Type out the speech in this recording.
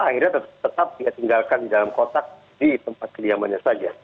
akhirnya tetap dia tinggalkan di dalam kotak di tempat kediamannya saja